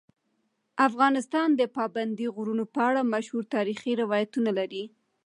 افغانستان د پابندي غرونو په اړه مشهور تاریخی روایتونه لري.